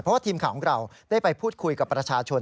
เพราะว่าทีมข่าวของเราได้ไปพูดคุยกับประชาชน